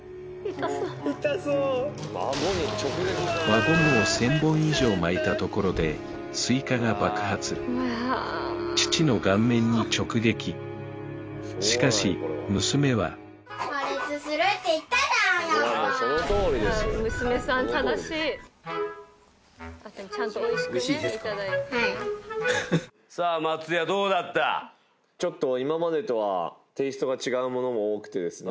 輪ゴムを１０００本以上巻いたところでスイカが爆発父の顔面に直撃さあ松也どうだったちょっと今までとはテイストが違うものも多くてですね